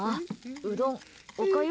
うどん？おかゆ？